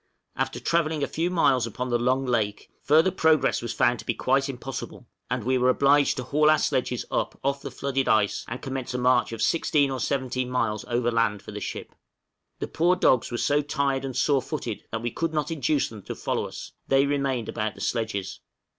After travelling a few miles upon the Long Lake, further progress was found to be quite impossible, and we were obliged to haul our sledges up off the flooded ice, and commence a march of 16 or 17 miles overland for the ship. The poor dogs were so tired and sore footed, that we could not induce them to follow us; they remained about the sledges.